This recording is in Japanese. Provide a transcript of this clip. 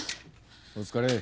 お疲れ。